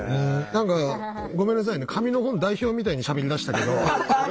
何かごめんなさいね紙の本代表みたいにしゃべりだしたけど。